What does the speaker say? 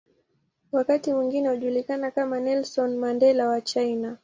Wakati mwingine hujulikana kama "Nelson Mandela wa China".